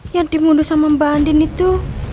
yang dimundur sama mbak andin itu